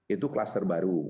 itu klaster baru